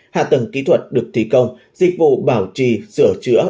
hạ tầng kỹ thuật được thi công dịch vụ bảo trì sửa chữa